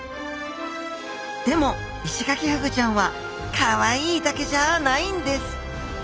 でもイシガキフグちゃんはかわいいだけじゃないんです！